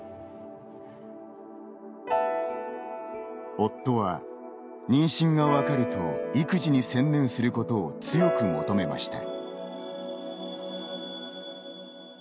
夫は、妊娠が分かると育児に専念することを強く求めました。